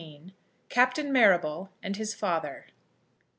CAPTAIN MARRABLE AND HIS FATHER.